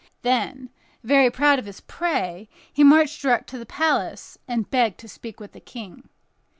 Then, very proud of his prey, he marched direct to the palace, and begged to speak with the King.